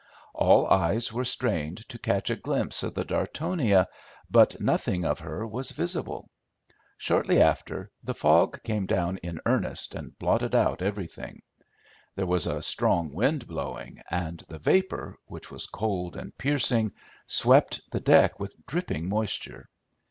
All eyes were strained to catch a glimpse of the Dartonia, but nothing of her was visible. Shortly after, the fog came down in earnest and blotted out everything. There was a strong wind blowing, and the vapour, which was cold and piercing, swept the deck with dripping moisture.